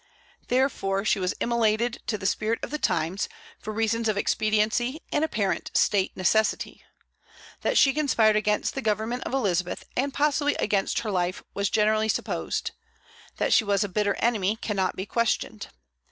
Therefore she was immolated to the spirit of the times, for reasons of expediency and apparent state necessity. That she conspired against the government of Elizabeth, and possibly against her life, was generally supposed; that she was a bitter enemy cannot be questioned.